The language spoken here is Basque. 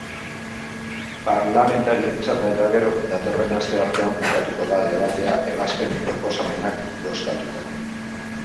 Parlamentarien txanda eta gero, datorren asteartean bukatuko da debatea ebazpen-proposamenak bozkatuta.